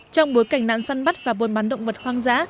trong bối cảnh nạn săn bắt và buôn bán động vật hoang dã